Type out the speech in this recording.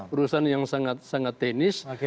urusan yang sangat tenis